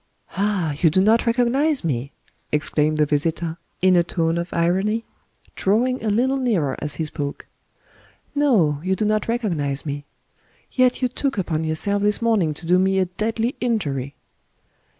]" Ah, you do not recognize me !" exclaimed the visitor, in a tone of irony, drawing a little nearer as he spoke. " No, you do not recognize me ! Yet you took upon yourself this morning to do me a deadly injury!